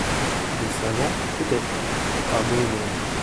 Des savants, peut-être ! —Pardon, Ned.